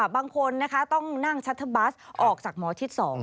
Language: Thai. บางคนต้องนั่งชัตเทอร์บัสออกจากหมอชิด๒